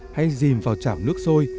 hay dìm vào chảm nước sôi